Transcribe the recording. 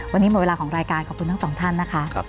วันนี้หมดเวลาของรายการขอบคุณทั้งสองท่านนะคะ